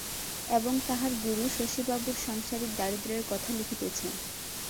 এবং তাঁহার গুরু শশীবাবুর সাংসারিক দারিদ্র্যের কথা লিখিতেছেন।